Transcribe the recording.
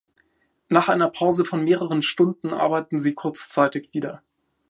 Nach einer Pause von mehreren Stunden arbeiten sie kurzzeitig wieder.